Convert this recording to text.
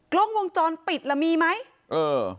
กล้องวงจรปิดล่ะมีไหมเออ